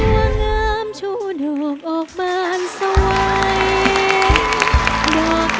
ร้องได้ให้ร้อง